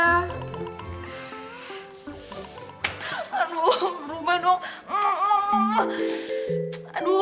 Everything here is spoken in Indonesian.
aduh berubah dong aduh kimi